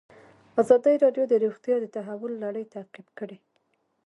ازادي راډیو د روغتیا د تحول لړۍ تعقیب کړې.